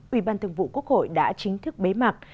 ủy ban thường vụ quốc hội đã chính thức bế mạc